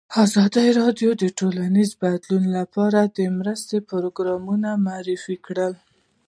ازادي راډیو د ټولنیز بدلون لپاره د مرستو پروګرامونه معرفي کړي.